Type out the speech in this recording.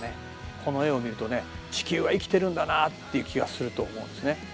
この絵を見ると地球は生きてるんだなっていう気がすると思うんですね。